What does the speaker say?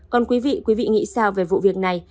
còn quý vị quý vị nghĩ sao về vụ việc này